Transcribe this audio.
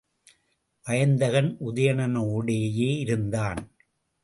வயந்தகன் உதயணனோடேயே இருந்தான்.